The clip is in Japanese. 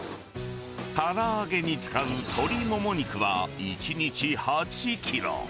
から揚げに使う鶏もも肉は、１日８キロ。